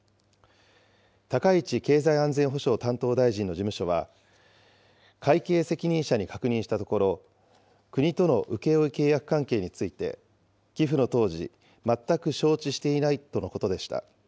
高市経済安全保障担当大臣の事務所は、会計責任者に確認したところ、国との請負契約関係について、寄付の当時、全く承知していないとのことでした。